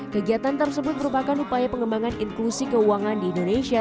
kegiatan tersebut merupakan upaya pengembangan inklusi keuangan di indonesia